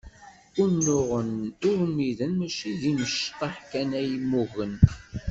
Unuɣen urmiden mačči i imecṭaḥ kan ay mmugen.